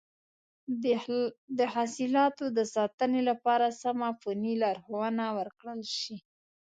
د حاصلاتو د ساتنې لپاره سمه فني لارښوونه ورکړل شي.